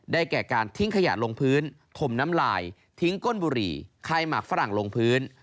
แก่การทิ้งขยะลงพื้นถมน้ำลายทิ้งก้นบุหรี่คลายหมักฝรั่งลงพื้น